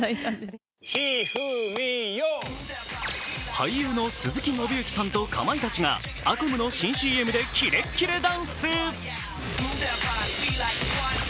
俳優の鈴木伸之さんとかまいたちがアコムの新ＣＭでキレッキレダンス。